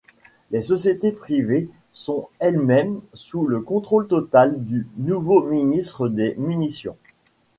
Les sociétés privées sont elles-mêmes sous le contrôle total du nouveau ministre des Munitions.